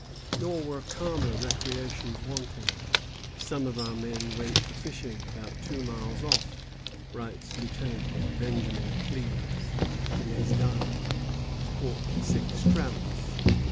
Nor were calmer recreations wanting. "Some of our men went a fishing, about 2 miles off," writes Lieutenant Benjamin Cleaves in his diary: "caught 6 Troutts."